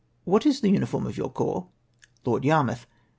—" What is the uniform of your corps ?" Lord Yarmouth.